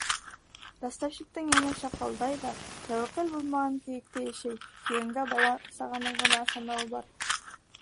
Ростовщиктың йәне шакалдай ҙа тәүәккәл булмаған кейектә йәшәй, тигәнгә бала-сағаның ғына ышаныуы бар.